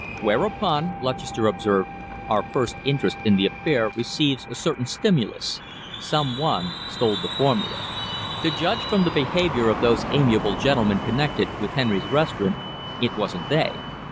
"Whereupon," Lutchester observed, "our first interest in the affair receives a certain stimulus. Some one stole the formula. To judge from the behaviour of those amiable gentlemen connected with Henry's Restaurant, it wasn't they.